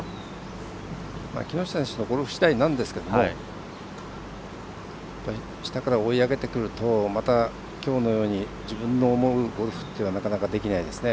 木下選手のゴルフしだいなんですけど下から追い上げてくるとまた、きょうのように自分の思うゴルフっていうのはなかなかできないですね。